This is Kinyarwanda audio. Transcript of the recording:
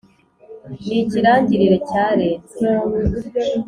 ni ikirangirire cyarenze